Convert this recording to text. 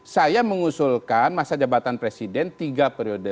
saya mengusulkan masa jabatan presiden tiga periode